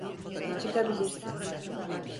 Çıkabilirsin.